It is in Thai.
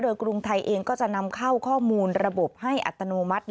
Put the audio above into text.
โดยกรุงไทยเองก็จะนำเข้าข้อมูลระบบให้อัตโนมัติ